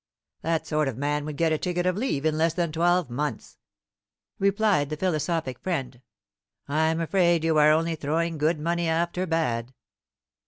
"That sort of man would get a ticket of leave in less than twelve months," replied the philosophic friend. "I'm afraid you are only throwing good money after bad."